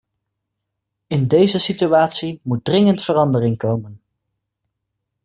In deze situatie moet dringend verandering komen!